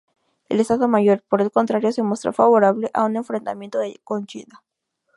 El Estado Mayor, por el contrario, se mostró favorable a un enfrentamiento con China.